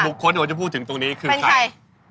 บุคคลว่าจะพูดถึงตรงนี้คือใคร